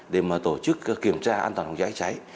để mà tổ chức kiểm tra an toàn phòng cháy cháy